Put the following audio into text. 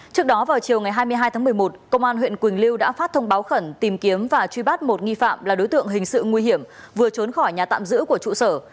trước đó vào chiều ngày hai mươi hai tháng một mươi một công an huyện quỳnh lưu đã phát thông báo khẩn tìm kiếm và truy bắt một nghi phạm là đối tượng hình sự nguy hiểm vừa trốn khỏi nhà tạm giữ của trụ sở